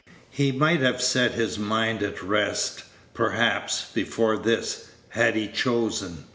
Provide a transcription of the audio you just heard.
He might have set his mind at rest, perhaps, before this, had he chosen.